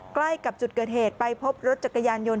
ใกล้กับจุดเกิดเหตุไปพบรถจักรยานยนต